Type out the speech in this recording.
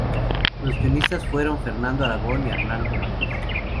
Los guionistas fueron Fernando Aragón y Arnaldo Madrid.